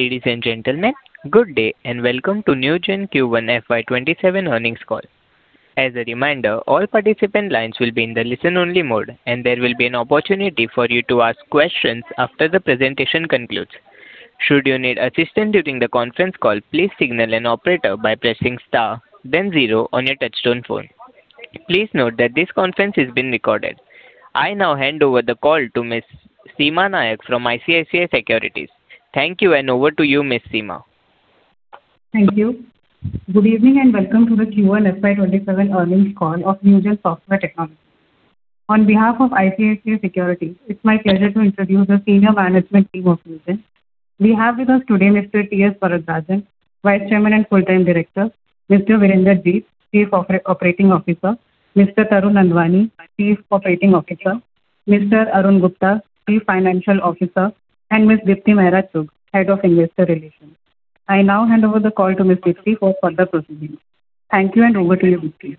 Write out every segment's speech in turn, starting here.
Ladies and gentlemen, good day and welcome to Newgen Q1 FY 2027 earnings call. As a reminder, all participant lines will be in the listen-only mode, and there will be an opportunity for you to ask questions after the presentation concludes. Should you need assistance during the conference call, please signal an operator by pressing star then zero on your touch-tone phone. Please note that this conference is being recorded. I now hand over the call to Ms. Seema Nayak from ICICI Securities. Thank you, and over to you, Ms. Seema. Thank you. Good evening and welcome to the Q1 FY 2027 earnings call of Newgen Software Technologies. On behalf of ICICI Securities, it's my pleasure to introduce the senior management team of Newgen. We have with us today Mr. T.S. Varadarajan, Vice Chairman and Whole-time Director, Mr. Virender Jeet, Chief Operating Officer, Mr. Tarun Nandwani, Chief Operating Officer, Mr. Arun Gupta, Chief Financial Officer, and Ms. Deepti Mehra Chugh, Head of Investor Relations. I now hand over the call to Ms. Deepti for further proceedings. Thank you, and over to you, Deepti.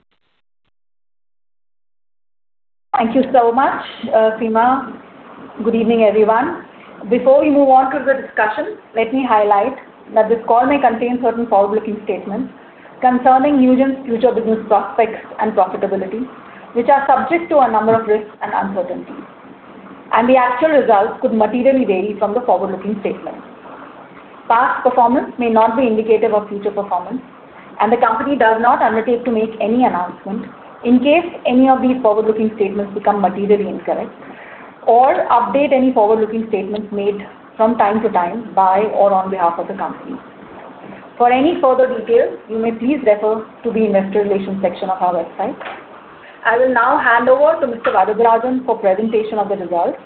Thank you so much, Seema. Good evening, everyone. Before we move on to the discussion, let me highlight that this call may contain certain forward-looking statements concerning Newgen's future business prospects and profitability, which are subject to a number of risks and uncertainties, and the actual results could materially vary from the forward-looking statements. Past performance may not be indicative of future performance, and the company does not undertake to make any announcement in case any of these forward-looking statements become materially incorrect or update any forward-looking statements made from time to time by or on behalf of the company. For any further details, you may please refer to the investor relations section of our website. I will now hand over to Mr. Varadarajan for presentation of the results,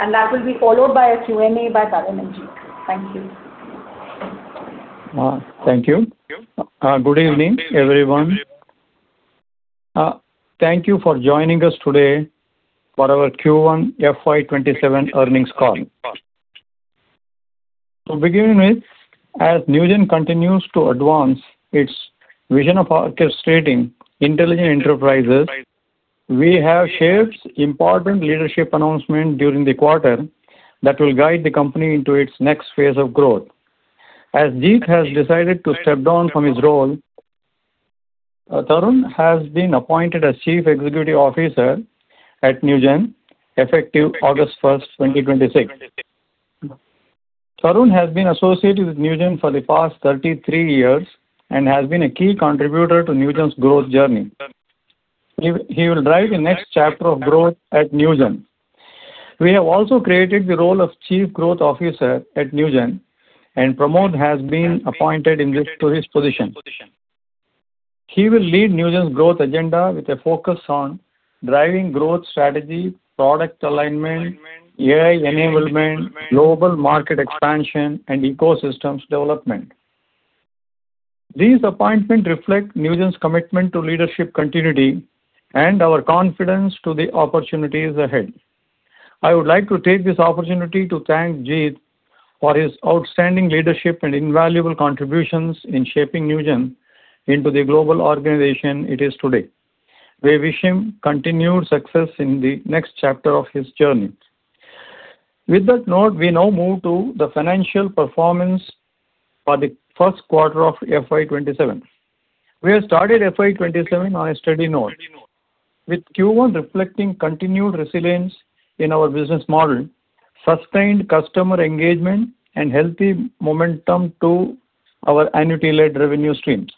and that will be followed by a Q&A by Tarun and Jeet. Thank you. Thank you. Good evening, everyone. Thank you for joining us today for our Q1 FY 2027 earnings call. To begin with, as Newgen continues to advance its vision of orchestrating intelligent enterprises, we have shared important leadership announcements during the quarter that will guide the company into its next phase of growth. As Jeet has decided to step down from his role, Tarun has been appointed as Chief Executive Officer at Newgen, effective August 1st, 2026. Tarun has been associated with Newgen for the past 33 years and has been a key contributor to Newgen's growth journey. He will drive the next chapter of growth at Newgen. We have also created the role of Chief Growth Officer at Newgen, and Pramod has been appointed to this position. He will lead Newgen's growth agenda with a focus on driving growth strategy, product alignment, AI enablement, global market expansion, and ecosystems development. These appointments reflect Newgen's commitment to leadership continuity and our confidence to the opportunities ahead. I would like to take this opportunity to thank Jeet for his outstanding leadership and invaluable contributions in shaping Newgen into the global organization it is today. We wish him continued success in the next chapter of his journey. With that note, we now move to the financial performance for the first quarter of FY 2027. We have started FY 2027 on a steady note, with Q1 reflecting continued resilience in our business model, sustained customer engagement, and healthy momentum to our annuity-led revenue streams.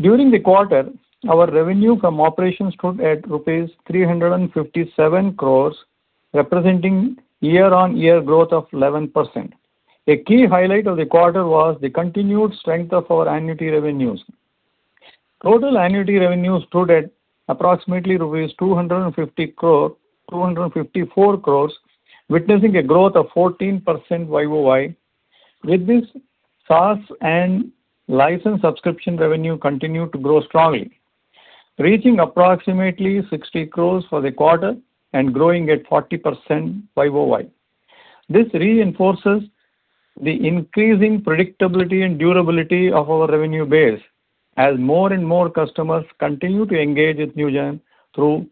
During the quarter, our revenue from operations stood at rupees 357 crore, representing year-on-year growth of 11%. A key highlight of the quarter was the continued strength of our annuity revenues. Total annuity revenues stood at approximately 254 crore, witnessing a growth of 14% YoY. With this, SaaS and license subscription revenue continue to grow strongly, reaching approximately 60 crore for the quarter and growing at 40% YoY. This reinforces the increasing predictability and durability of our revenue base as more and more customers continue to engage with Newgen through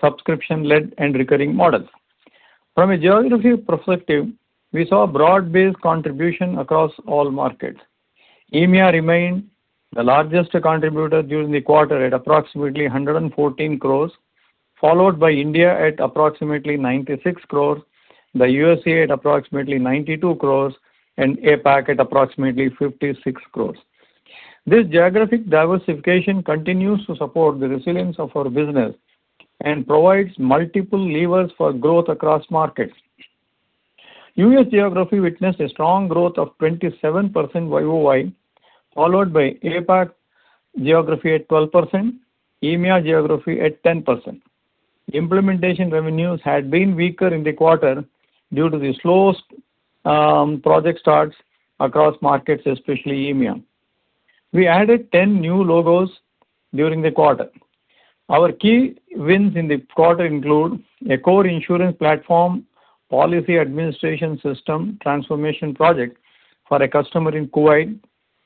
subscription-led and recurring models. From a geography perspective, we saw broad-based contribution across all markets. EMEA remained the largest contributor during the quarter at approximately 114 crore, followed by India at approximately 96 crore, the U.S.A. at approximately 92 crore, and APAC at approximately 56 crore. This geographic diversification continues to support the resilience of our business and provides multiple levers for growth across markets. U.S. geography witnessed a strong growth of 27% YoY, followed by APAC geography at 12%, EMEA geography at 10%. Implementation revenues had been weaker in the quarter due to the slow project starts across markets, especially EMEA. We added 10 new logos during the quarter. Our key wins in the quarter include a core insurance platform policy administration system transformation project for a customer in Kuwait,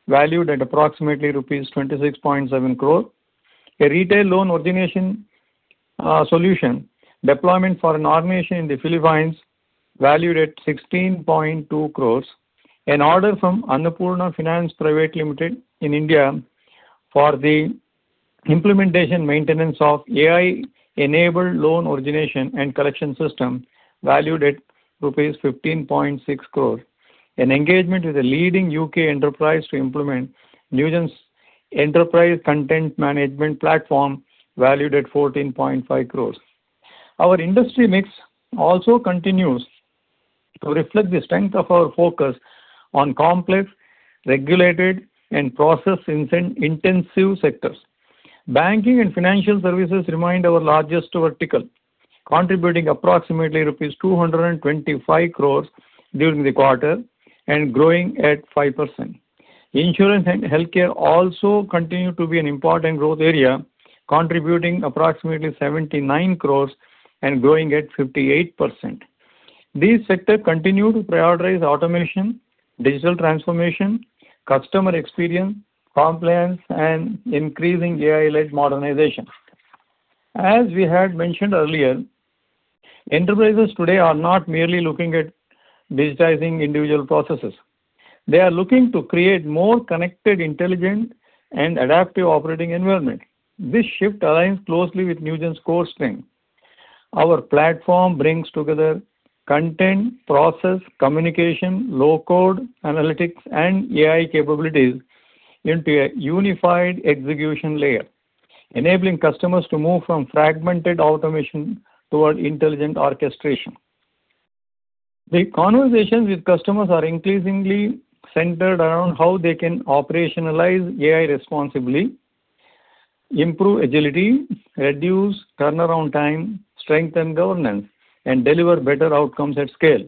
valued at approximately rupees 26.7 crore; a retail loan origination solution deployment for an organization in the Philippines valued at 16.2 crore; an order from Annapurna Finance Private Limited in India for the implementation maintenance of AI-enabled loan origination and collection system valued at rupees 15.6 crore; an engagement with a leading U.K. enterprise to implement Newgen's enterprise content management platform valued at 14.5 crore. Our industry mix also continues to reflect the strength of our focus on complex, regulated, and process-intensive sectors. Banking and financial services remained our largest vertical, contributing approximately rupees 225 crore during the quarter and growing at 5%. Insurance and healthcare also continue to be an important growth area, contributing approximately 79 crore and growing at 58%. These sectors continue to prioritize automation, digital transformation, customer experience, compliance, and increasing AI-led modernization. As we had mentioned earlier, enterprises today are not merely looking at digitizing individual processes. They are looking to create more connected, intelligent, and adaptive operating environments. This shift aligns closely with Newgen's core strength. Our platform brings together content, process, communication, low-code, analytics, and AI capabilities into a unified execution layer, enabling customers to move from fragmented automation toward intelligent orchestration. The conversations with customers are increasingly centered around how they can operationalize AI responsibly, improve agility, reduce turnaround time, strengthen governance, and deliver better outcomes at scale.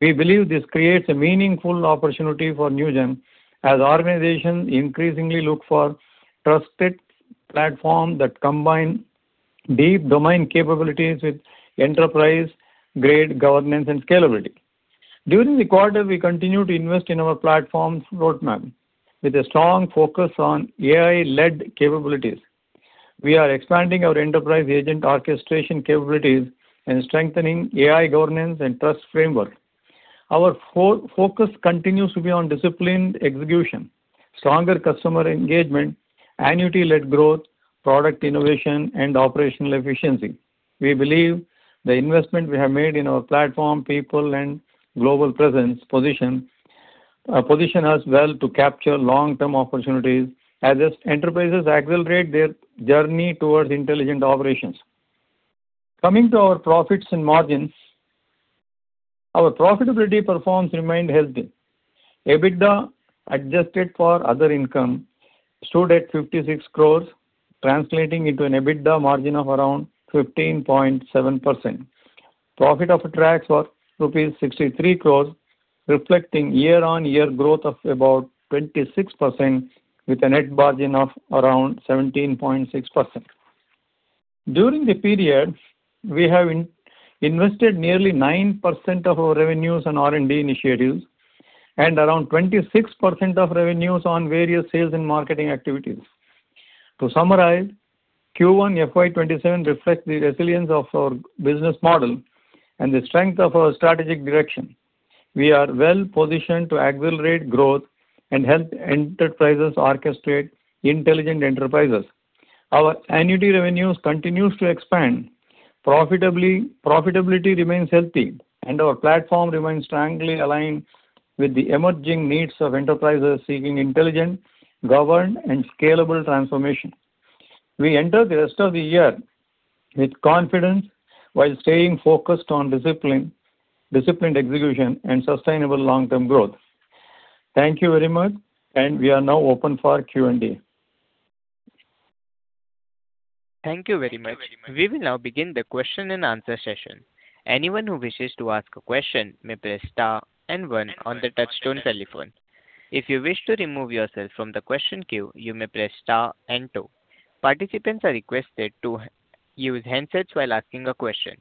We believe this creates a meaningful opportunity for Newgen as organizations increasingly look for trusted platforms that combine deep domain capabilities with enterprise-grade governance and scalability. During the quarter, we continued to invest in our platform's roadmap with a strong focus on AI-led capabilities. We are expanding our enterprise agent orchestration capabilities and strengthening AI governance and trust framework. Our focus continues to be on disciplined execution, stronger customer engagement, annuity-led growth, product innovation, and operational efficiency. We believe the investment we have made in our platform, people, and global presence position us well to capture long-term opportunities as enterprises accelerate their journey towards intelligent operations. Coming to our profits and margins, our profitability performance remained healthy. EBITDA, adjusted for other income, stood at 56 crore, translating into an EBITDA margin of around 15.7%. Profit after tax was rupees 63 crore, reflecting year-on-year growth of about 26%, with a net margin of around 17.6%. During the period, we have invested nearly 9% of our revenues on R&D initiatives and around 26% of revenues on various sales and marketing activities. To summarize, Q1 FY 2027 reflects the resilience of our business model and the strength of our strategic direction. We are well-positioned to accelerate growth and help enterprises orchestrate intelligent enterprises. Our annuity revenues continues to expand, profitability remains healthy, and our platform remains strongly aligned with the emerging needs of enterprises seeking intelligent, governed, and scalable transformation. We enter the rest of the year with confidence while staying focused on disciplined execution and sustainable long-term growth. Thank you very much, and we are now open for Q&A. Thank you very much. We will now begin the question-and-answer session. Anyone who wishes to ask a question may press star and one on the touch-tone telephone. If you wish to remove yourself from the question queue, you may press star and two. Participants are requested to use handsets while asking a question.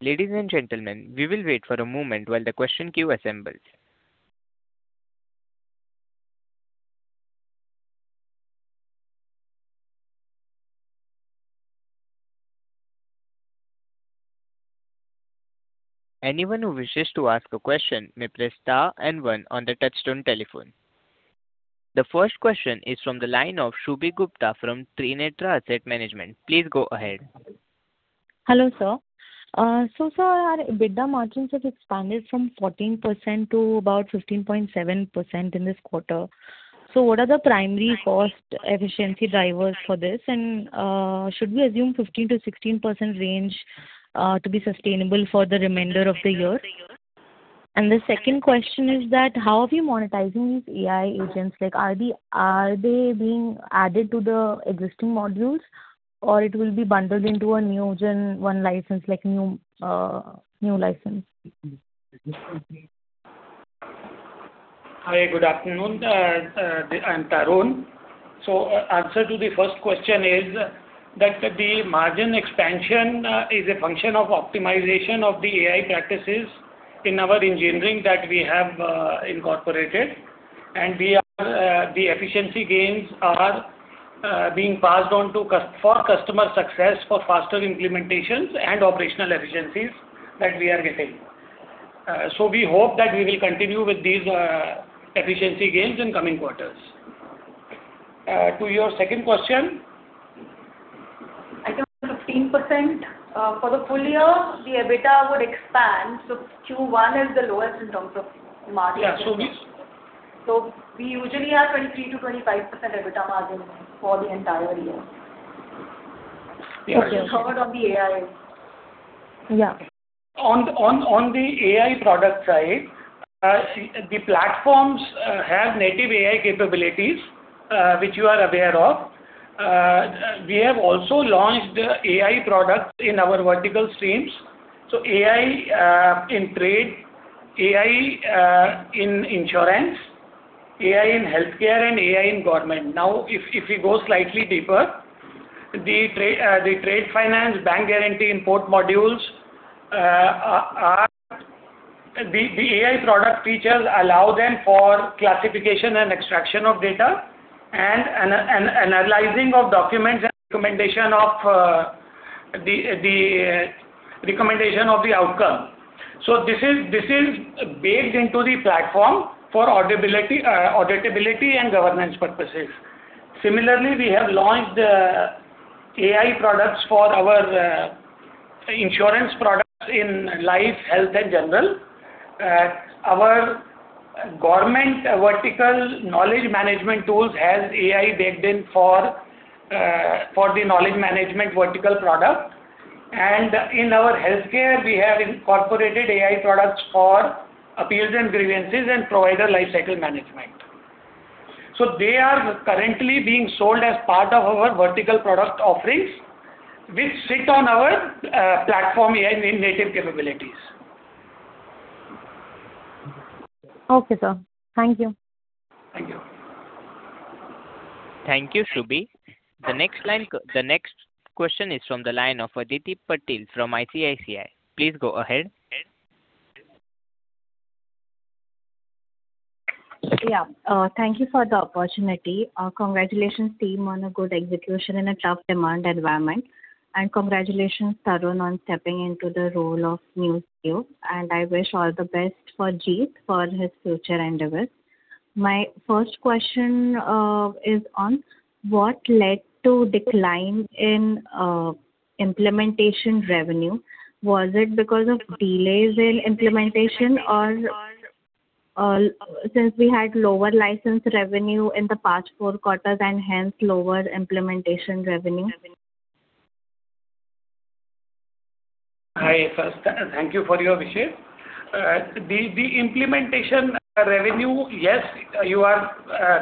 Ladies and gentlemen, we will wait for a moment while the question queue assembles. Anyone who wishes to ask a question may press star and one on the touch-tone telephone. The first question is from the line of Shubhi Gupta from Trinetra Asset Management. Please go ahead. Hello, sir. Sir, our EBITDA margins have expanded from 14% to about 15.7% in this quarter. What are the primary cost efficiency drivers for this? Should we assume 15%-16% range to be sustainable for the remainder of the year? The second question is that, how have you monetizing these AI agents? Are they being added to the existing modules, or it will be bundled into a NewgenONE license, like new license? Hi, good afternoon. I'm Tarun. So, answer to the first question is that the margin expansion is a function of optimization of the AI practices in our engineering that we have incorporated, and the efficiency gains are being passed on for customer success, for faster implementations and operational efficiencies that we are getting. We hope that we will continue with these efficiency gains in coming quarters. To your second question. I think 15%. For the full year, the EBITDA would expand. Q1 is the lowest in terms of margin. Yeah. We usually have 23%-25% EBITDA margin for the entire year. Yes. Covered on the AI. Yeah. On the AI product side, the platforms have native AI capabilities, which you are aware of. We have also launched AI products in our vertical streams. So, AI in trade, AI in insurance, AI in healthcare, and AI in government. Now, if we go slightly deeper, the trade finance, bank guarantee, import modules, the AI product features allow them for classification and extraction of data, and analyzing of documents and recommendation of the outcome. This is baked into the platform for auditability and governance purposes. Similarly, we have launched AI products for our insurance products in life, health, and general. Our government vertical knowledge management tools has AI baked in for the knowledge management vertical product. And in our healthcare, we have incorporated AI products for appeals and grievances and provider lifecycle management. They are currently being sold as part of our vertical product offerings, which sit on our platform AI in native capabilities. Okay, sir. Thank you. Thank you. Thank you, Shubhi. The next question is from the line of Aditi Patil from ICICI. Please go ahead. Yeah. Thank you for the opportunity. Congratulations, team, on a good execution in a tough demand environment. Congratulations, Tarun, on stepping into the role of new CEO, and I wish all the best for Jeet for his future endeavors. My first question is on what led to decline in implementation revenue. Was it because of delays in implementation, or since we had lower license revenue in the past four quarters and hence lower implementation revenue? Hi. First, thank you for your wishes. The implementation revenue, yes, you are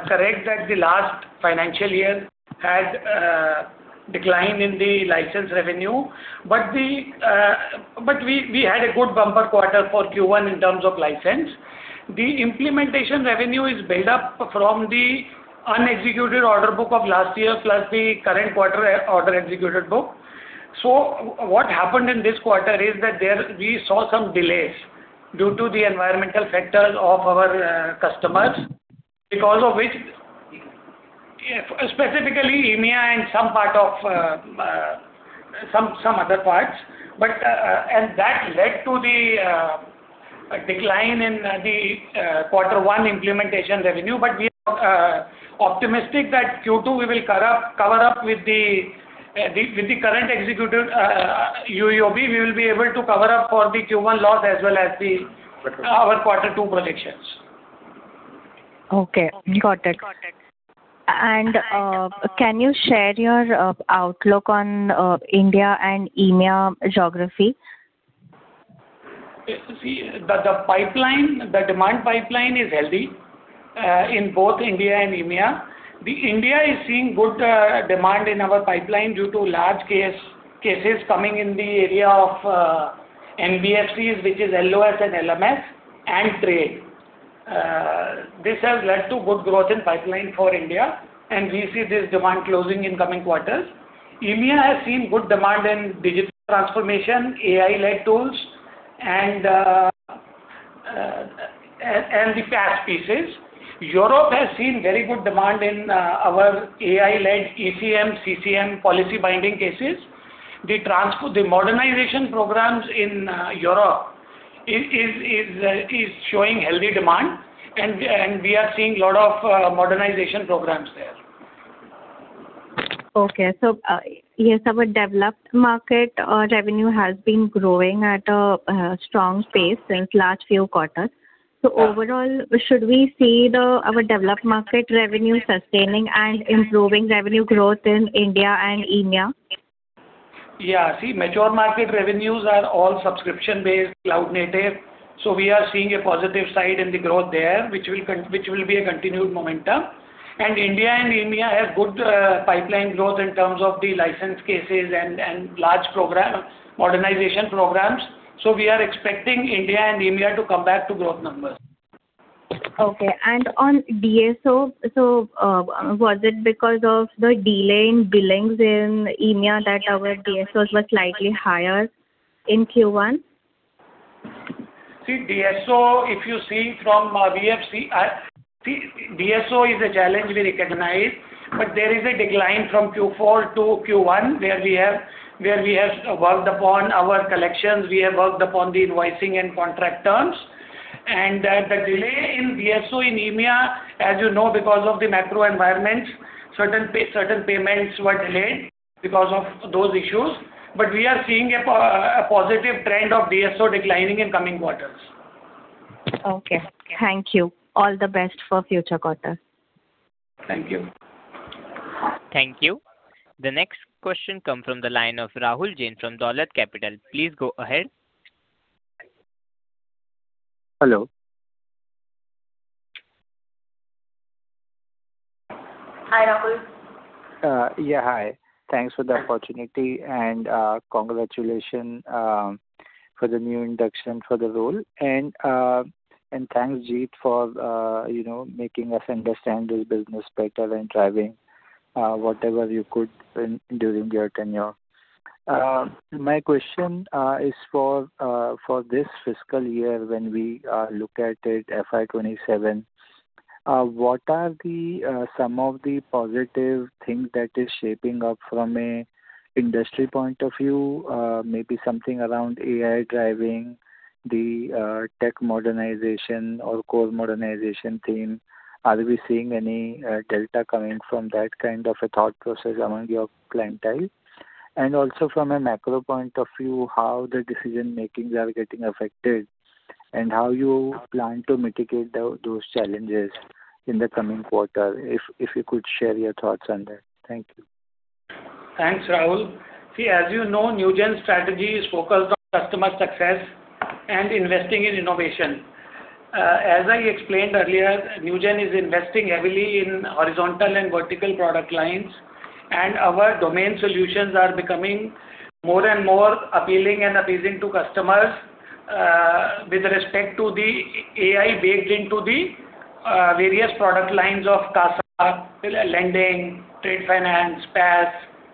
correct that the last financial year had a decline in the license revenue. But we had a good bumper quarter for Q1 in terms of license. The implementation revenue is built up from the unexecuted order book of last year, plus the current quarter order executed book. What happened in this quarter is that we saw some delays due to the environmental factors of our customers. Because of which, specifically EMEA and some other parts, and that led to the decline in the quarter one implementation revenue. But we are optimistic that Q2, we will cover up, with the current executed UoB, we will be able to cover up for the Q1 loss as well as our quarter two projections. Okay, got it. And can you share your outlook on India and EMEA geography? The pipeline, the demand pipeline is healthy in both India and EMEA. India is seeing good demand in our pipeline due to large cases coming in the area of NBFCs, which is LOS and LMS, and trade. These are like two good growth in pipeline for India, and we see this demand closing in coming quarters. EMEA has seen good demand in digital transformation, AI-led tools, and the SaaS pieces. Europe has seen very good demand in our AI-led ECM, CCM policy binding cases. The modernization programs in Europe is showing healthy demand, and we are seeing lot of modernization programs there. Okay. So, our developed market revenue has been growing at a strong pace since last few quarters. Overall, should we see our developed market revenue sustaining and improving revenue growth in India and EMEA? Yeah. See, mature market revenues are all subscription-based, cloud-native, so we are seeing a positive side in the growth there, which will be a continued momentum. And India and EMEA have good pipeline growth in terms of the license cases and large modernization programs, so we are expecting India and EMEA to come back to growth numbers. Okay. On DSO, so was it because of the delay in billings in EMEA that our DSOs were slightly higher in Q1? See, DSO, if you see from see, DSO is a challenge we recognize, but there is a decline from Q4 to Q1, where we have worked upon our collections. We have worked upon the invoicing and contract terms, and that the delay in DSO in EMEA, as you know, because of the macro environment, certain payments were delayed because of those issues. But we are seeing a positive trend of DSO declining in coming quarters. Okay. Thank you. All the best for future quarters. Thank you. Thank you. The next question comes from the line of Rahul Jain from Dolat Capital. Please go ahead. Hello. Hi, Rahul. Yeah, hi. Thanks for the opportunity and congratulations for the new induction for the role. Thanks, Jeet, for making us understand this business better and driving whatever you could during your tenure. My question is for this fiscal year, when we look at it, FY 2027, what are some of the positive things that is shaping up from an industry point of view? Maybe something around AI driving the tech modernization or core modernization theme. Are we seeing any delta coming from that kind of a thought process among your clientele? Also, from a macro point of view, how the decision-making are getting affected, and how you plan to mitigate those challenges in the coming quarter? If you could share your thoughts on that. Thank you. Thanks, Rahul. See, as you know, Newgen's strategy is focused on customer success and investing in innovation. As I explained earlier, Newgen is investing heavily in horizontal and vertical product lines, and our domain solutions are becoming more and more appealing and appeasing to customers, with respect to the AI baked into the various product lines of CASA, lending, trade finance, PaaS,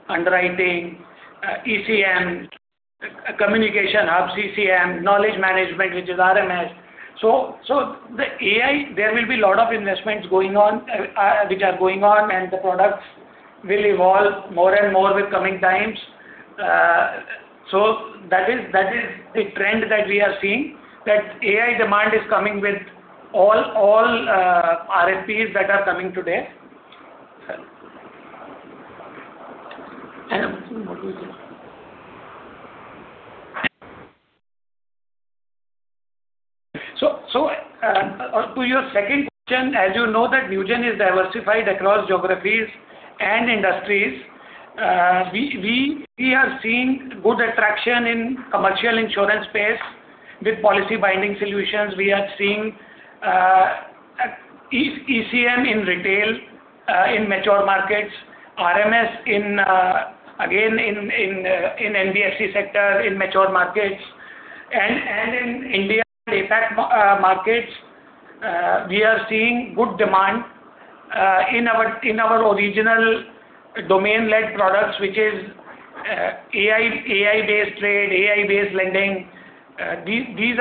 underwriting, ECM, communication hub CCM, knowledge management, which is RMS. So, the AI, there will be lot of investments which are going on, and the products will evolve more and more with coming times. That is the trend that we are seeing, that AI demand is coming with all RFPs that are coming today. To your second question, as you know, that Newgen is diversified across geographies and industries. We are seeing good attraction in commercial insurance space with policy binding solutions. We are seeing ECM in retail, in mature markets, RMS again in NBFC sector, in mature markets. In India and APAC markets, we are seeing good demand in our original domain-led products, which is AI-based trade, AI-based lending. These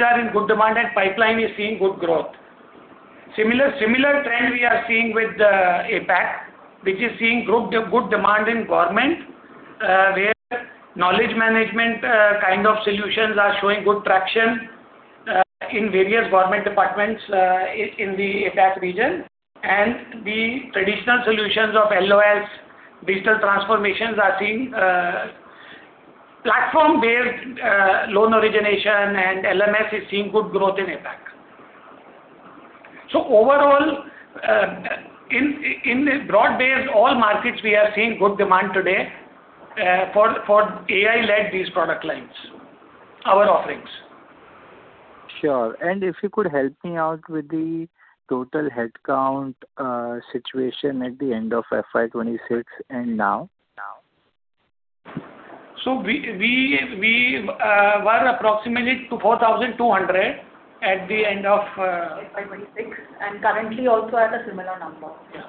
are in good demand, and pipeline is seeing good growth. Similar trend we are seeing with the APAC, which is seeing good demand in government, where knowledge management kind of solutions are showing good traction in various government departments in the APAC region. And the traditional solutions of LOS, digital transformations are seeing platform-based loan origination, and LMS is seeing good growth in APAC. Overall, in broad-based, all markets, we are seeing good demand today for AI-led these product lines, our offerings. Sure. And if you could help me out with the total head count situation at the end of FY 2026 and now? We were approximately to 4,200 at the end of. FY 2026, and currently also at a similar number. Yeah.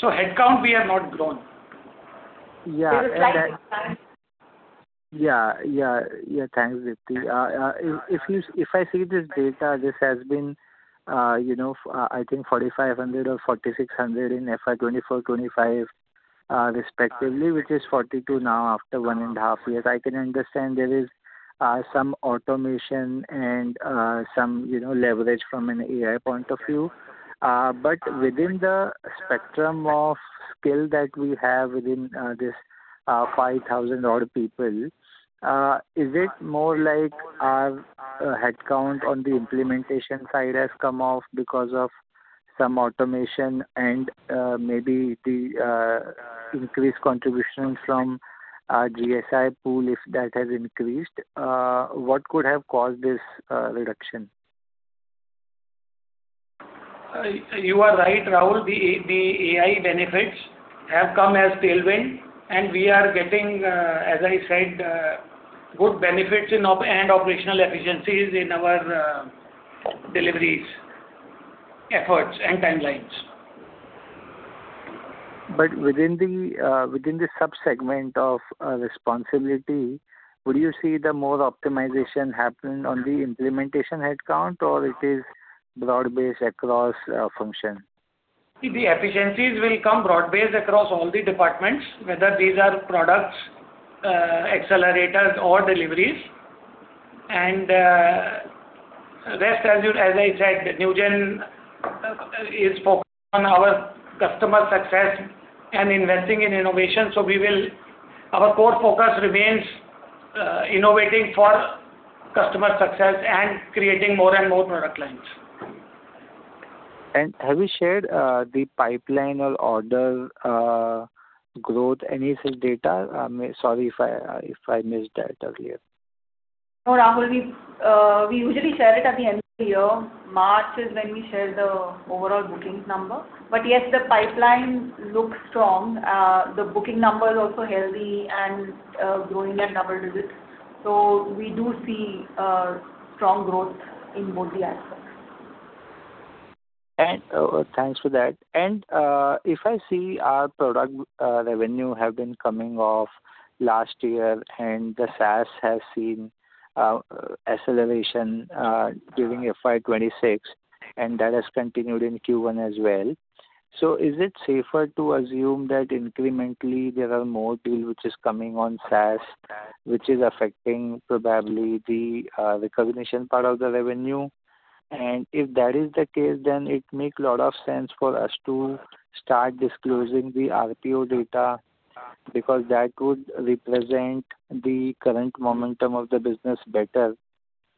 So, head count, we have not grown. Yeah. There is slight decline. Yeah. Thanks, Deepti. If I see this data, this has been I think 4,500 or 4,600 in FY 2024, FY 2025 respectively, which is 4,200 now after one and a half years. I can understand there is some automation and some leverage from an AI point of view, but within the spectrum of skill that we have within this 5,000-odd people, is it more like our head count on the implementation side has come off because of some automation and maybe the increased contribution from our GSI pool, if that has increased? What could have caused this reduction? You are right, Rahul. The AI benefits have come as tailwind, and we are getting, as I said, good benefits and operational efficiencies in our deliveries, efforts, and timelines. But within the subsegment of responsibility, would you see the more optimization happen on the implementation headcount, or it is broad-based across function? See, the efficiencies will come broad-based across all the departments, whether these are products, accelerators, or deliveries. And rest, as I said, Newgen is focused on our customer success and investing in innovation, so we will, our core focus remains innovating for customer success and creating more and more product lines. Have you shared the pipeline or order growth? Any such data? Sorry if I missed that earlier. No, Rahul, we usually share it at the end of the year. March is when we share the overall bookings number. But yes, the pipeline looks strong. The booking number is also healthy and growing at double digits. We do see strong growth in both the aspects. Thanks for that. And if I see our product revenue have been coming off last year, and the SaaS has seen acceleration during FY 2026, and that has continued in Q1 as well, is it safer to assume that incrementally, there are more deal which is coming on SaaS, which is affecting probably the recognition part of the revenue? If that is the case, then it make lot of sense for us to start disclosing the RPO data, because that would represent the current momentum of the business better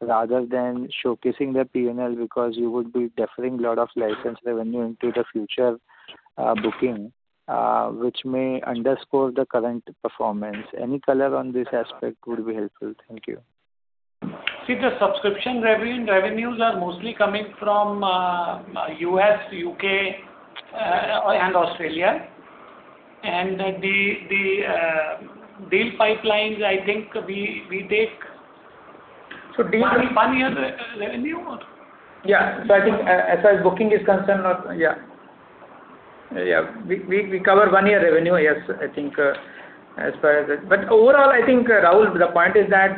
rather than showcasing the P&L, because you would be deferring lot of license revenue into the future booking, which may underscore the current performance. Any color on this aspect would be helpful. Thank you. See, the subscription revenues are mostly coming from U.S., U.K. and Australia. The deal pipelines, I think we take. So, deal. One year revenue or? Yeah. I think as far as booking is concerned or yeah. Yeah, we cover one year revenue, yes, I think as far as that. But overall, I think, Rahul, the point is that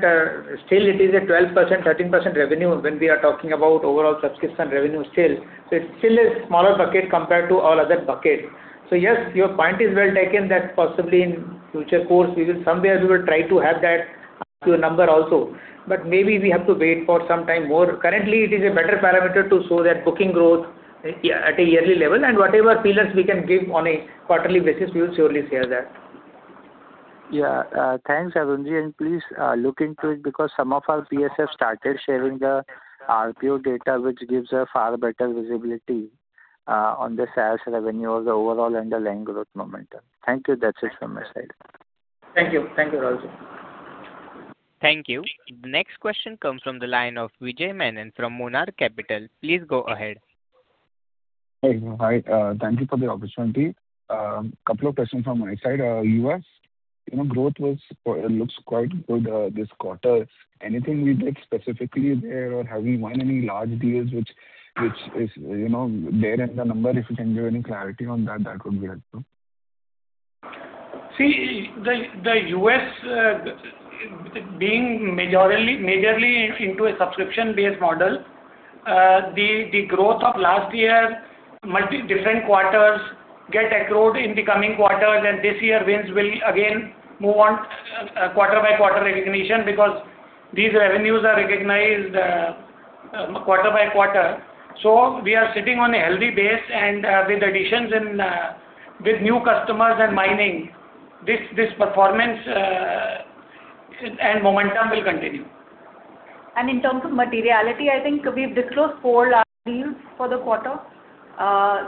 still it is a 12%-13% revenue when we are talking about overall subscription revenue still. It is still a smaller bucket compared to all other bucket. Yes, your point is well taken that possibly in future course, somewhere we will try to have that RPO number also. But maybe we have to wait for some time more. Currently, it is a better parameter to show that booking growth at a yearly level, and whatever feelers we can give on a quarterly basis, we will surely share that. Yeah. Thanks, Arun ji. Please look into it because some of our PSFs started sharing the RPO data, which gives a far better visibility on the sales revenue or the overall underlying growth momentum. Thank you. That is it from my side. Thank you. Thank you, Rahul ji. Thank you. The next question comes from the line of Vinay Menon from Monarch Capital. Please go ahead. Hey. Hi. Thank you for the opportunity. Couple of questions from my side. U.S. growth looks quite good this quarter. Anything we did specifically there, or have we won any large deals which is there in the number? If you can give any clarity on that, that would be helpful. See, the U.S. being majorly into a subscription-based model, the growth of last year, multi different quarters get accrued in the coming quarters. This year, wins will again move on a quarter-by-quarter recognition because these revenues are recognized quarter by quarter. So, we are sitting on a healthy base, and with additions and with new customers and mining, this performance and momentum will continue. And in terms of materiality, I think we've disclosed four large deals for the quarter.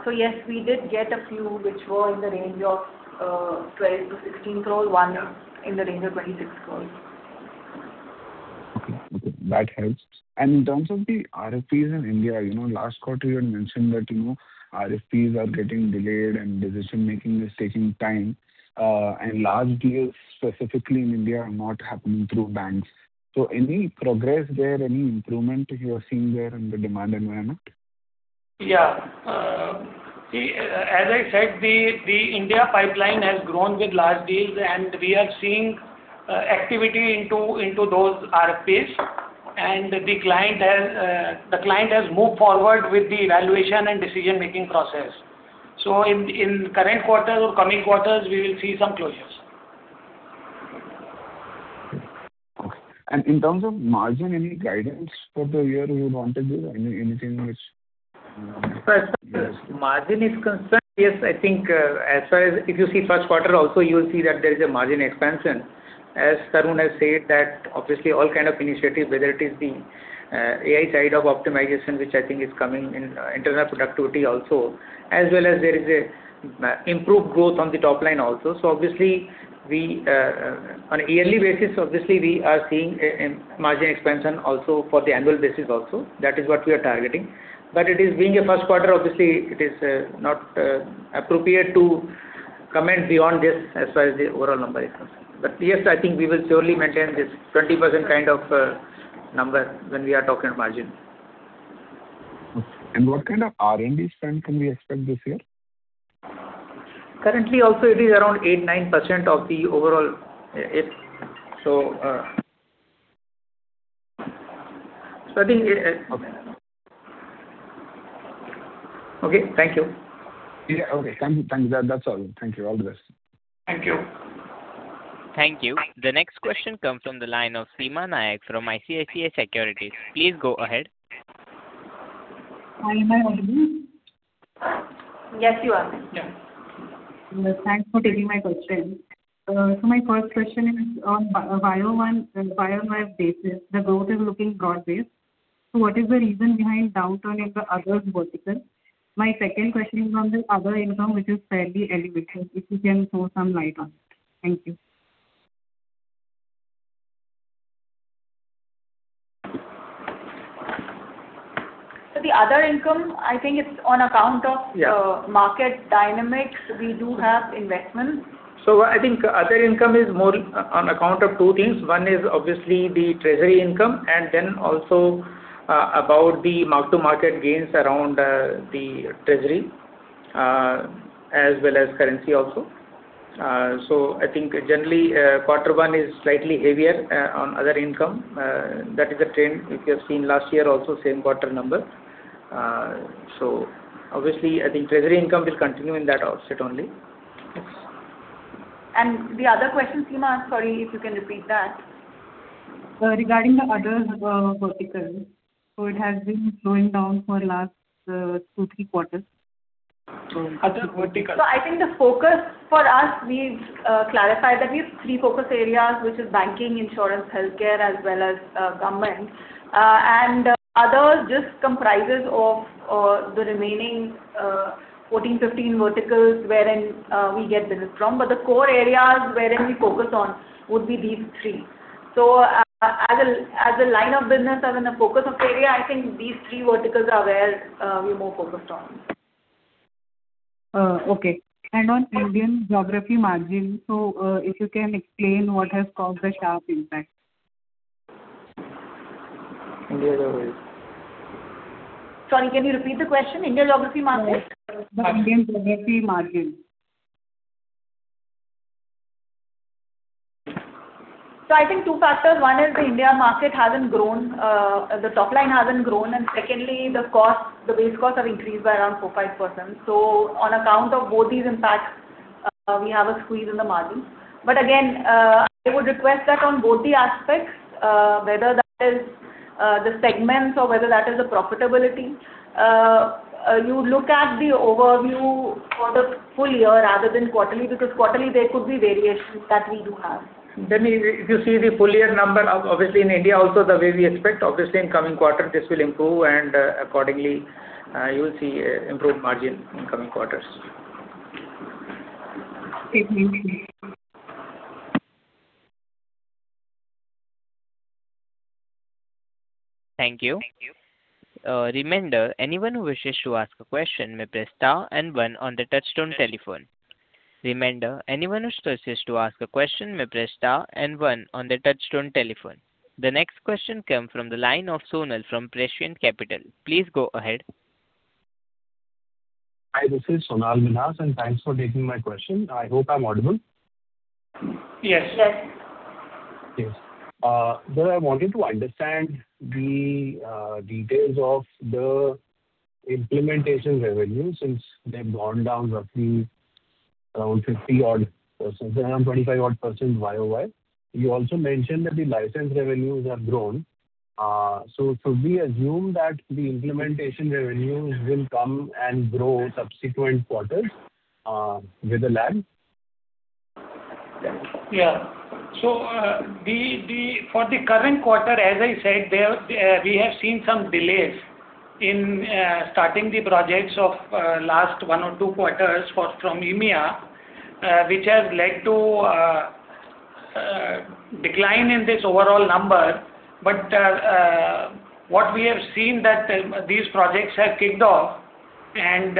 So, yes, we did get a few which were in the range of 12 crore-16 crore, one in the range of 26 crore. Okay. That helps. In terms of the RFPs in India, last quarter you had mentioned that RFPs are getting delayed and decision-making is taking time, and large deals specifically in India are not happening through banks. Any progress there, any improvement you are seeing there in the demand environment? Yeah. See, as I said, the India pipeline has grown with large deals, and we are seeing activity into those RFPs. The client has moved forward with the evaluation and decision-making process. So, in current quarter or coming quarters, we will see some closures. Okay. In terms of margin, any guidance for the year you wanted to give? As far as margin is concerned, yes, I think as far as if you see first quarter also, you'll see that there is a margin expansion. As Tarun has said that, obviously, all kind of initiative, whether it is the AI side of optimization, which I think is coming in internal productivity also, as well as there is a improved growth on the top line also. Obviously, on a yearly basis, obviously, we are seeing a margin expansion also for the annual basis also. That is what we are targeting. But it is being a first quarter, obviously, it is not appropriate to comment beyond this as far as the overall number is concerned. But yes, I think we will surely maintain this 20% kind of number when we are talking margin. And what kind of R&D spend can we expect this year? Currently also, it is around 8%, 9% of the overall. So, I think it. Okay. Okay. Thank you. Yeah. Okay. Thanks. That's all. Thank you. All the best. Thank you. Thank you. The next question comes from the line of Seema Nayak from ICICI Securities. Please go ahead. Am I audible? Yes, you are. Thanks for taking my question. My first question is on YoY basis, the growth is looking broad-based. What is the reason behind downturn in the other verticals? My second question is on the other income, which is fairly elevated. If you can throw some light on it. Thank you. The other income, I think it's on account of. Yeah. Market dynamics. We do have investments. So, I think other income is more on account of two things. One is obviously the treasury income, and then also about the mark-to-market gains around the treasury as well as currency also. I think, generally, quarter one is slightly heavier on other income. That is the trend. If you have seen last year also, same quarter number. Obviously, I think treasury income will continue in that offset only. Yes. And the other question, Seema, sorry, if you can repeat that. Regarding the other verticals. It has been slowing down for last two, three quarters. Other verticals. I think the focus for us, we've clarified that we have three focus areas, which is banking, insurance, healthcare, as well as government, and others just comprises of the remaining 14, 15 verticals wherein we get business from. But the core areas wherein we focus on would be these three. As a line of business and in a focus of area, I think these three verticals are where we are more focused on. Okay. And on Indian geography margin, if you can explain what has caused the sharp impact? Indian geography. Sorry, can you repeat the question? Indian geography margin? The Indian geography margin. So, I think two factors. One is the India market hasn't grown, the top line hasn't grown, and secondly, the cost, the base costs have increased by around 4%-5%. On account of both these impacts, we have a squeeze in the margin. But again, I would request that on both the aspects, whether that is the segments or whether that is the profitability, you look at the overview for the full year rather than quarterly, because quarterly there could be variations that we do have. If you see the full-year number, obviously, in India also the way we expect, obviously in coming quarter, this will improve and accordingly you will see improved margin in coming quarters. Okay. Thank you. Thank you. A reminder, anyone who wishes to ask a question may press star and one on the touch-tone telephone. Reminder, anyone who wishes to ask a question may press star and one on the touch-tone telephone. The next question came from the line of Sonal from Prescient Capital. Please go ahead. Hi, this is Sonal Minhas, and thanks for taking my question. I hope I'm audible. Yes. Yes. Yes. I wanted to understand the details of the implementation revenue, since they've gone down roughly around 50% and around 25% YoY. You also mentioned that the license revenues have grown. Should we assume that the implementation revenues will come and grow subsequent quarters with the lag? Yeah. For the current quarter, as I said, we have seen some delays in starting the projects of last one or two quarters from EMEA which has led to a decline in this overall number. But what we have seen that these projects have kicked off, and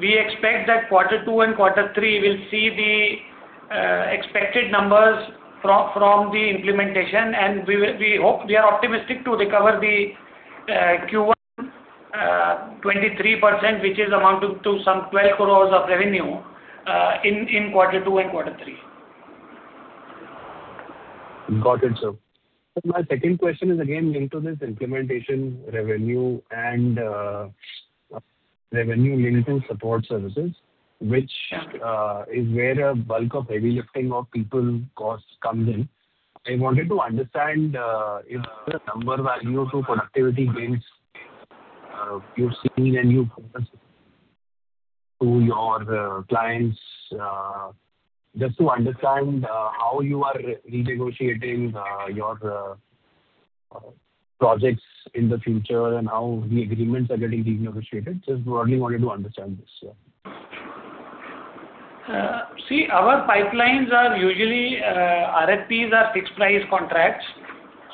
we expect that quarter two and quarter three will see the expected numbers from the implementation. We are optimistic to recover the Q1 23%, which is amount to some 12 crore of revenue in quarter two and quarter three. Got it, sir. My second question is again linked to this implementation revenue and revenue linked to support services, which is where a bulk of heavy lifting of people cost comes in. I wanted to understand if there's a number value to productivity gains you're seeing at Newgen to your clients just to understand how you are renegotiating your projects in the future and how the agreements are getting renegotiated. Just broadly wanted to understand this, sir. See, our pipelines are usually RFPs or fixed price contracts.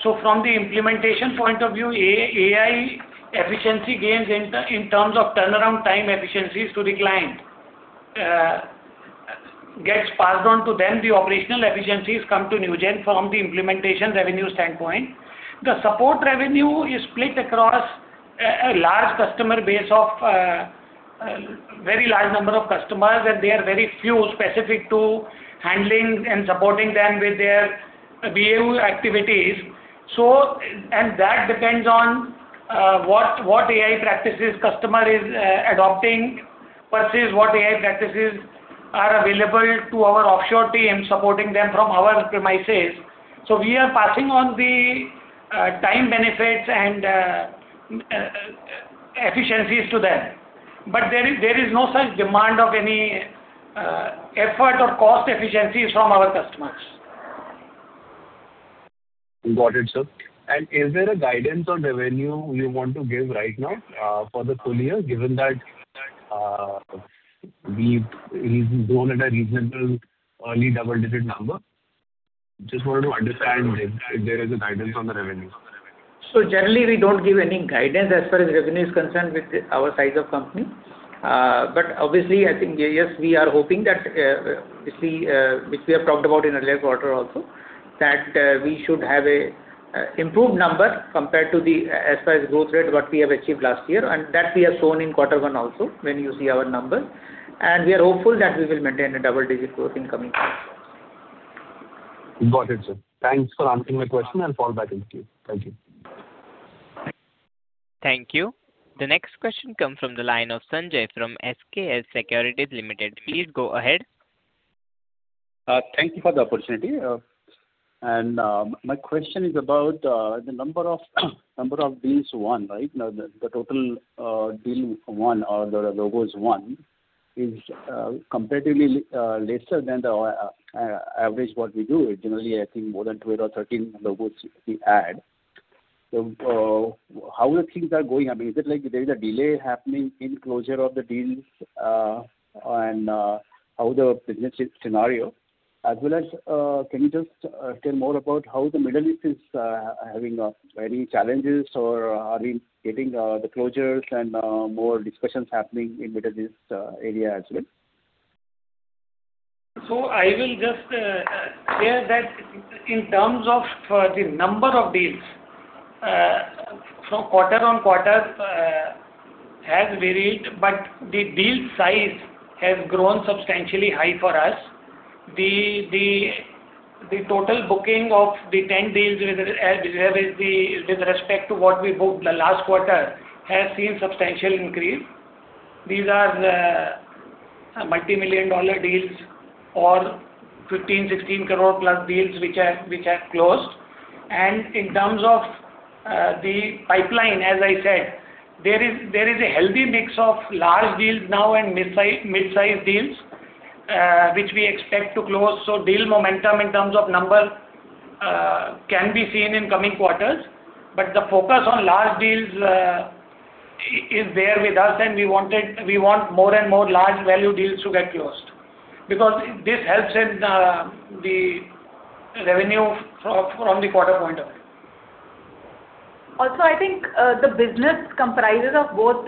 From the implementation point of view, AI efficiency gains in terms of turnaround time efficiencies to the client, gets passed on to them. The operational efficiencies come to Newgen from the implementation revenue standpoint. The support revenue is split across a very large number of customers, and there are very few specific to handling and supporting them with their BAU activities. That depends on what AI practices customer is adopting versus what AI practices are available to our offshore team supporting them from our premises. So, we are passing on the time benefits and efficiencies to them. But there is no such demand of any effort or cost efficiencies from our customers. Got it, sir. Is there a guidance on revenue you want to give right now for the full year, given that we've grown at a reasonable early double-digit number? Just wanted to understand if there is a guidance on the revenue. Generally, we don't give any guidance as far as revenue is concerned with our size of company. But obviously, I think, yes, we are hoping that, see, which we have talked about in earlier quarter also, that we should have a improved number compared to the, as far as growth rate, what we have achieved last year, and that we have shown in quarter one also when you see our number. We are hopeful that we will maintain a double-digit growth in coming quarters. Got it, sir. Thanks for answering my question. I'll fall back into queue. Thank you. Thank you. The next question comes from the line of [Sanjay] from SKS Securities Limited. Please go ahead. Thank you for the opportunity. My question is about the number of deals won. The total deal won or the logos won is comparatively lesser than the average what we do. Generally, I think more than 12 or 13 logos we add. So, how are things are going? Is it like there is a delay happening in closure of the deals? How's the business scenario? Can you just tell more about how the Middle East is having any challenges, or are we getting the closures and more discussions happening in Middle East area as well? I will just share that in terms of the number of deals, so, quarter-on-quarter has varied, but the deal size has grown substantially high for us. The total booking of the 10 deals as well as with respect to what we booked the last quarter has seen substantial increase. These are multimillion-dollar deals or 15 crore, 16 crore plus deals which have closed. In terms of the pipeline, as I said, there is a healthy mix of large deals now and mid-size deals, which we expect to close. So, deal momentum in terms of number can be seen in coming quarters. But the focus on large deals is there with us, and we want more and more large value deals to get closed, because this helps in the revenue from the quarter point of view. I think the business comprises of both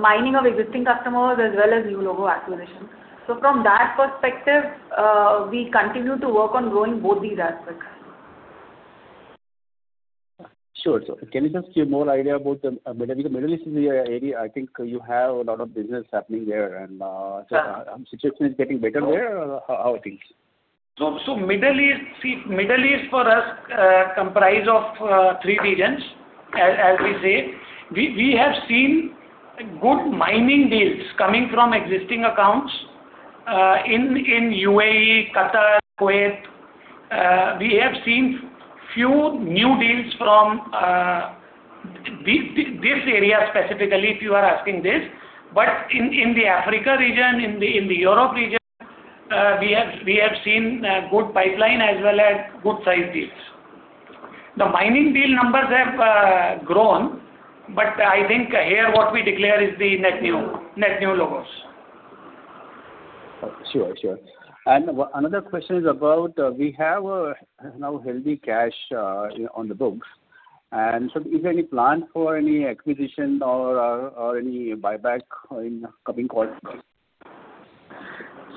mining of existing customers as well as new logo acquisition. From that perspective, we continue to work on growing both these aspects. Sure. Can you just give more idea about the Middle East? Middle East is the area, I think, you have a lot of business happening there. Yeah. And the situation is getting better there or how are things? So, Middle East for us comprise of three regions, as we say. We have seen good mining deals coming from existing accounts, in UAE, Qatar, Kuwait. We have seen few new deals from this area specifically, if you are asking this. But in the Africa region, in the Europe region, we have seen a good pipeline as well as good size deals. The mining deal numbers have grown, but I think here, what we declare is the net new logos. Sure. Another question is about, we have a now healthy cash on the books. Is there any plan for any acquisition or any buyback in coming quarters?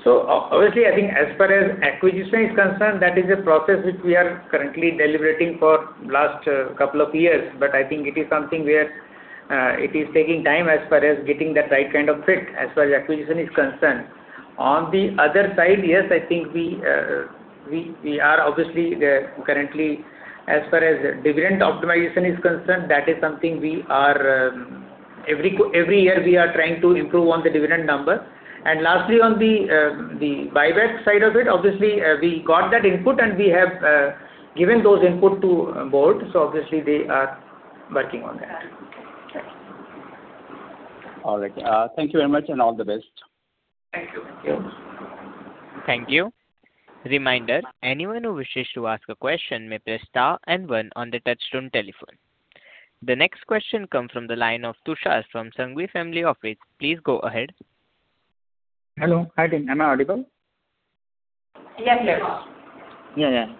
Obviously, I think as far as acquisition is concerned, that is a process which we are currently deliberating for last couple of years. But I think it is something where it is taking time as far as getting that right kind of fit as far as acquisition is concerned. On the other side, yes, I think we are obviously, currently, as far as dividend optimization is concerned, that is something every year we are trying to improve on the dividend number. Lastly, on the buyback side of it, obviously, we got that input, and we have given those input to board, so obviously, they are working on that. Okay. All right. Thank you very much, and all the best. Thank you. Thank you. Reminder, anyone who wishes to ask a question may press star and one on the touch-tone telephone. The next question comes from the line of [Tushar] from Shanghvi Family Office. Please go ahead. Hello. Hi, team. Am I audible? Yes. Yeah.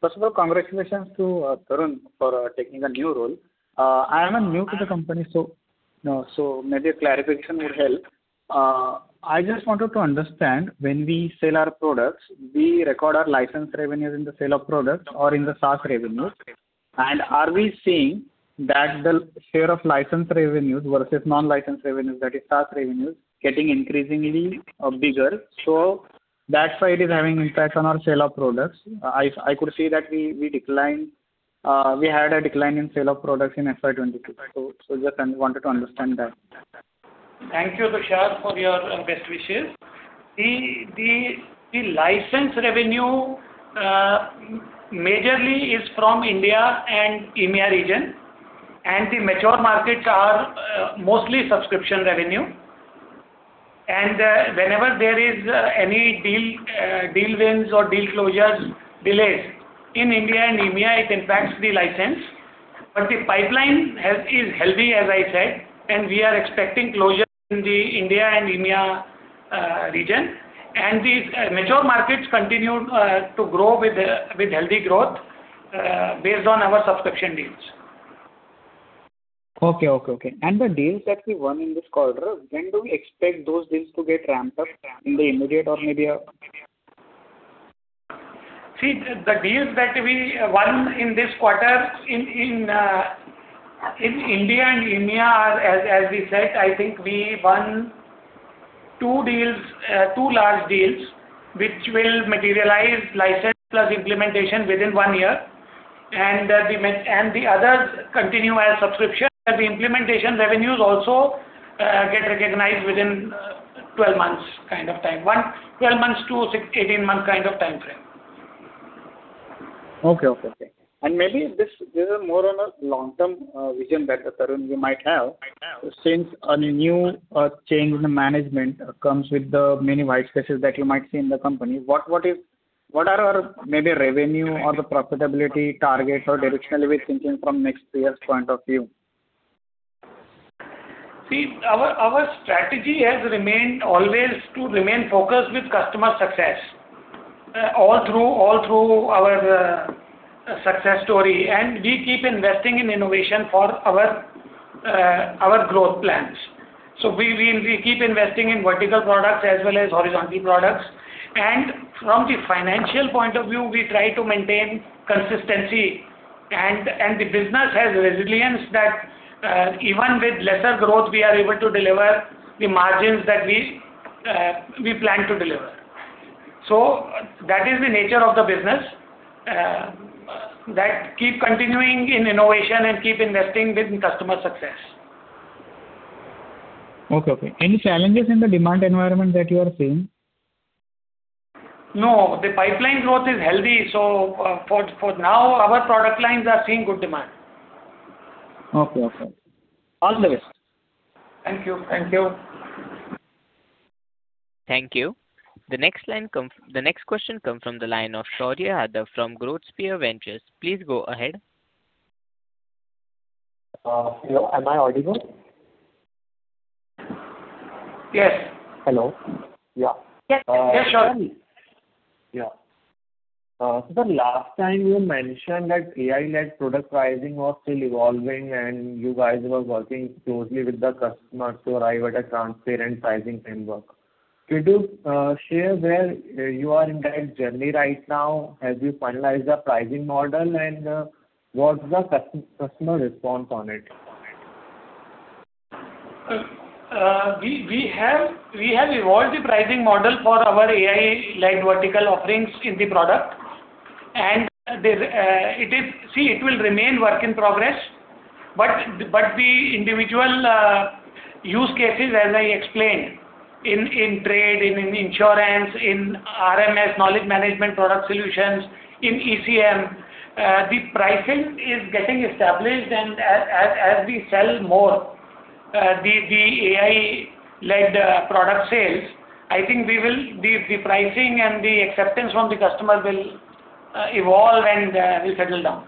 First of all, congratulations to Tarun for taking a new role. I am new to the company, so maybe a clarification will help. I just wanted to understand, when we sell our products, we record our license revenues in the sale of product or in the SaaS revenues. Are we seeing that the share of license revenues versus non-license revenues, that is SaaS revenues, getting increasingly bigger, that's why it is having impact on our sale of products? I could see that we had a decline in sale of products in FY 2022. Just wanted to understand that. Thank you, [Tushar], for your best wishes. The license revenue majorly is from India and EMEA region, and the mature markets are mostly subscription revenue. Whenever there is any deal wins or deal closures delays in India and EMEA, it impacts the license. But the pipeline is healthy, as I said, and we are expecting closure in the India and EMEA region. And the mature markets continue to grow with healthy growth based on our subscription deals. Okay. And the deals that we won in this quarter, when do we expect those deals to get ramped up, in the immediate or maybe? See, the deals that we won in this quarter in India and EMEA are, as we said, I think we won two large deals, which will materialize license plus implementation within one year. The others continue as subscription, but the implementation revenues also get recognized within 12 months kind of time. 12 months to 18 months kind of timeframe. Okay. Maybe this is more on a long-term vision that, Tarun, you might have. Since a new change in management comes with the many white spaces that you might see in the company, what are our, maybe, revenue or the profitability targets or directionally we're thinking from next three years point of view? See, our strategy has remained always to remain focused with customer success all through our success story, and we keep investing in innovation for our growth plans. We keep investing in vertical products as well as horizontal products. From the financial point of view, we try to maintain consistency, and the business has resilience that even with lesser growth, we are able to deliver the margins that we plan to deliver. That is the nature of the business. That keep continuing in innovation and keep investing with customer success. Okay. Any challenges in the demand environment that you are seeing? No, the pipeline growth is healthy, so for now, our product lines are seeing good demand. Okay. All the best. Thank you. Thank you. The next question comes from the line of Shaurya Yadav from GrowthSphere Ventures. Please go ahead. Hello, am I audible? Yes. Hello? Yeah. Yes, Shaurya. Yeah. The last time you mentioned that AI-led product pricing was still evolving, and you guys were working closely with the customers to arrive at a transparent pricing framework. Could you share where you are in that journey right now? Have you finalized the pricing model, and what's the customer response on it? We have evolved the pricing model for our AI-led vertical offerings in the product. See, it will remain work in progress, but the individual use cases, as I explained, in trade, in insurance, in RMS knowledge management product solutions, in ECM, the pricing is getting established, and as we sell more, the AI-led product sales, I think the pricing and the acceptance from the customer will evolve and will settle down.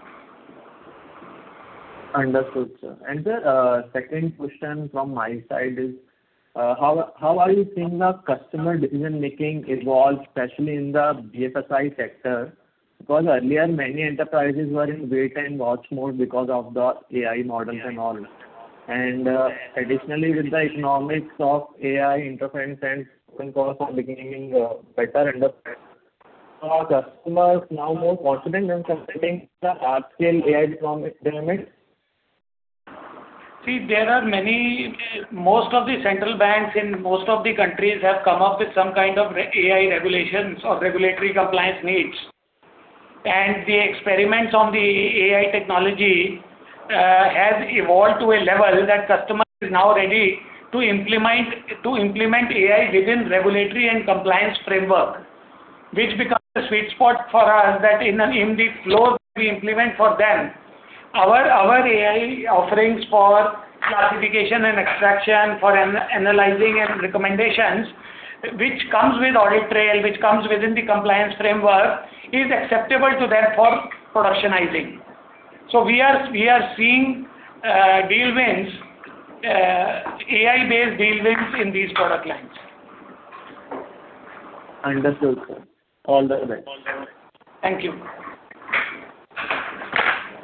Understood, sir. Sir, second question from my side is, how are you seeing the customer decision-making evolve, especially in the BFSI sector? Earlier, many enterprises were in wait-and-watch mode because of the AI models and all. Additionally, with the economics of AI inference and open costs are becoming better and the customers now more confident in considering the large-scale AI economic experiment. See, there are many, most of the central banks in most of the countries have come up with some kind of AI regulations or regulatory compliance needs. The experiments on the AI technology has evolved to a level that customer is now ready to implement AI within regulatory and compliance framework, which becomes a sweet spot for us that in the flow we implement for them. Our AI offerings for classification and extraction, for analyzing and recommendations, which comes with audit trail, which comes within the compliance framework, is acceptable to them for productionizing. We are seeing deal wins, AI-based deal wins in these product lines. Understood, sir. All the best. Thank you.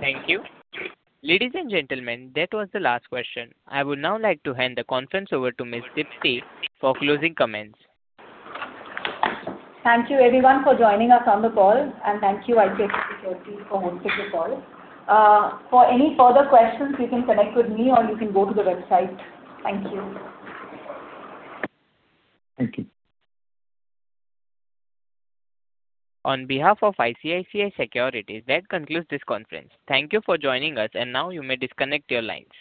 Thank you. Ladies and gentlemen, that was the last question. I would now like to hand the conference over to Ms. Deepti for closing comments. Thank you everyone for joining us on the call, and thank you, ICICI Securities for hosting the call. For any further questions, you can connect with me or you can go to the website. Thank you. Thank you. On behalf of ICICI Securities, that concludes this conference. Thank you for joining us and now, you may disconnect your lines.